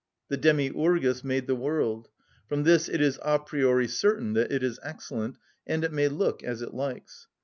The demiurgus made the world. From this it is a priori certain that it is excellent, and it may look as it likes.